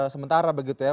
sementara begitu ya